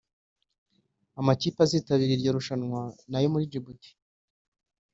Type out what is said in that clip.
Amakipe azitabira iryo rushanwa ni ayo muri Djibouti